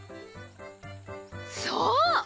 そう！